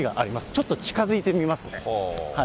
ちょっと近づいてみますね。